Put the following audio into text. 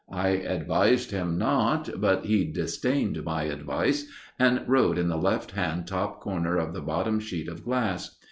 I advised him not, but he disdained my advice, and wrote in the left hand top corner of the bottom sheet of glass.